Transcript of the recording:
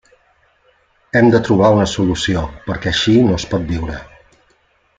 Hem de trobar una solució, perquè així no es pot viure.